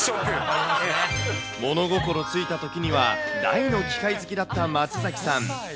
物心ついたときには、大の機械好きだった松崎さん。